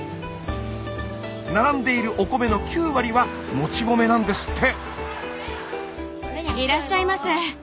並んでいるお米の９割はもち米なんですって！